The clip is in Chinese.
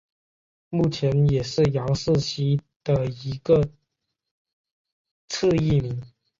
目前也是杨氏蜥的一个次异名。